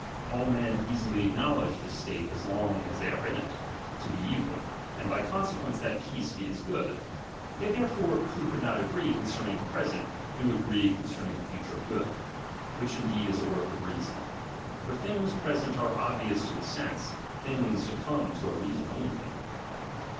All men easily acknowledge this state, as long as they are in it, to be evil, and by consequence that peace is good. They therefore who could not agree concerning a present, do agree concerning a future good ; which indeed is a work of reason ; for things pre sent are obvious to the sense, things to come to our reason only.